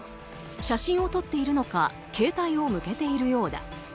写真を撮っているのか携帯を向けているようだ。